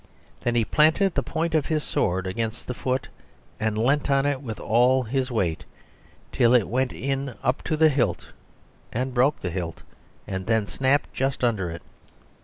Then he planted the point of his sword against the foot and leant on it with all his weight, till it went up to the hilt and broke the hilt, and then snapped just under it.